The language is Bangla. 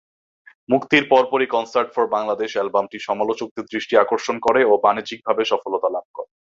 মুক্তির পরপরই 'কনসার্ট ফর বাংলাদেশ' অ্যালবামটি সমালোচকদের দৃষ্টি আকর্ষণ করে ও বাণিজ্যিকভাবে সফলতা লাভ করে।